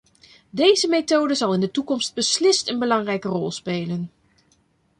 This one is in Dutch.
Deze methode zal in de toekomst beslist een belangrijke rol spelen.